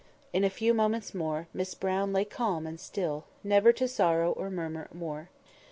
In a few moments more Miss Brown lay calm and still—never to sorrow or murmur more.